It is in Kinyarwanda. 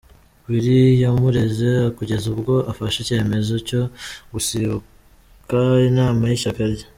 Willy yamureze kugeza ubwo afashe icyemezo cyo gusubika inama y’ishyaka rye.